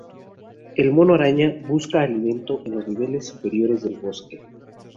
El mono araña busca alimento en los niveles superiores del bosque.